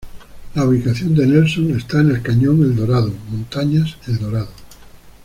La ubicación de Nelson está en el cañón Eldorado, montañas Eldorado.